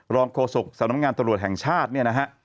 โฆษกสำนักงานตำรวจแห่งชาติเนี่ยนะฮะ